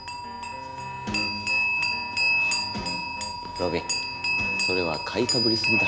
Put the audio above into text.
路敏それは買いかぶりすぎだ。